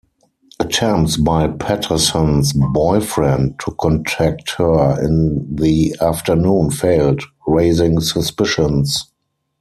Attempts by Patterson's boyfriend to contact her in the afternoon failed, raising suspicions.